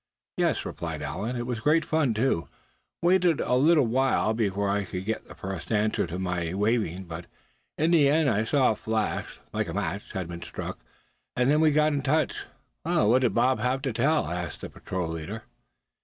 "Yes," replied Allan, "it was great fun too. Waited a little while before I could get the first answer to all my waving; but in the end I saw a flash, like a match had been struck, and then we got in touch." "What did Bob have to tell?" asked the patrol leader.